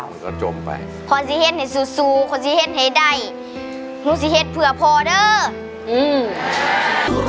มันก็จมไปพอสิเห็นให้สู้คอนซีเห็นให้ได้รู้สึกเห็นเผื่อพอเด้ออืม